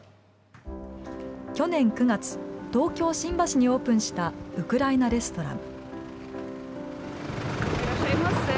去年９月、東京・新橋にオープンしたウクライナレストラン。